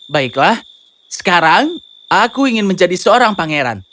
baiklah sekarang aku ingin menjadi seorang pangeran